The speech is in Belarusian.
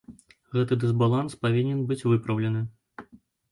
Гэты дысбаланс павінен быць выпраўлены.